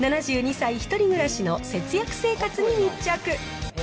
７２歳１人暮らしの節約生活に密着。